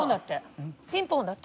ピンポンだって。